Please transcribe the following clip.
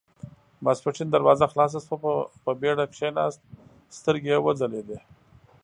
ماسپښين دروازه خلاصه شوه، په بېړه کېناست، سترګې يې وځلېدې.